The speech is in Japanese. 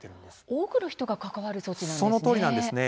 多くの人が関わる措置なんですね。